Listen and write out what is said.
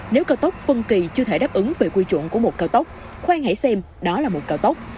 nếu cao tốc phân kỳ chưa thể đáp ứng về quy chuẩn của một cao tốc khoan hãy xem đó là một cao tốc